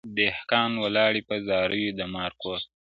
دهقان ولاړی په زاریو د مار کور ته!